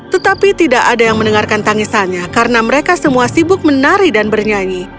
tetapi tidak ada yang mendengarkan tangisannya karena mereka semua sibuk menari dan bernyanyi